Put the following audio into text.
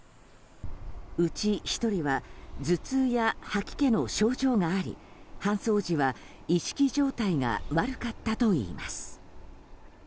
うち１人は頭痛や吐き気の症状があり搬送時は、意識状態が悪かったといいます。